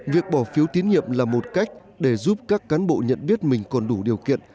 việc bỏ phiếu tín nhiệm là một cách để giúp các cán bộ nhận biết mình còn đủ điều kiện